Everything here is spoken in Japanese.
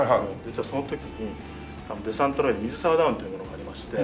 実はその時にデサントラインに水沢ダウンというものがありまして。